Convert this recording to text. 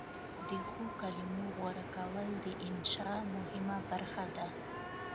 د ښو کلمو غوره کول د انشأ مهمه برخه ده.